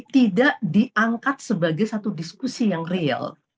tidak diangkat sebagai satu diskusi yang real